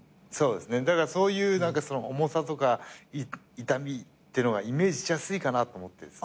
そうですねだからそういう重さとか痛みってのがイメージしやすいかなと思って。